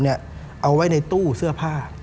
เอาไว้ในตู้เสื้อผ้า